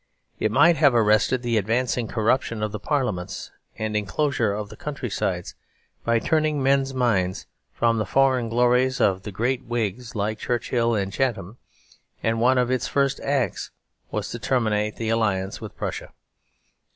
It might have arrested the advancing corruption of Parliaments and enclosure of country sides, by turning men's minds from the foreign glories of the great Whigs like Churchill and Chatham; and one of its first acts was to terminate the alliance with Prussia.